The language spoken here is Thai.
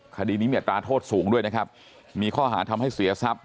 คดีนี้มีอัตราโทษสูงด้วยนะครับมีข้อหาทำให้เสียทรัพย